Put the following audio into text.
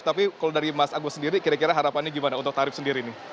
tapi kalau dari mas agus sendiri kira kira harapannya gimana untuk tarif sendiri nih